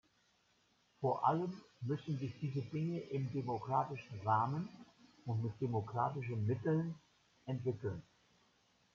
Vor allem müssen sich diese Dinge im demokratischen Rahmen und mit demokratischen Mitteln entwickeln.